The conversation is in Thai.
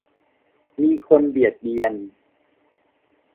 มีคนเบียดเบียน